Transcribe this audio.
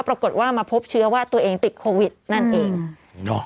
ปรากฏว่ามาพบเชื้อว่าตัวเองติดโควิดนั่นเองเนอะ